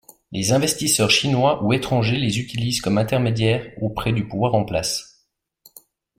Les investisseurs chinois ou étrangers les utilisent comme intermédiaires auprès du pouvoir en place.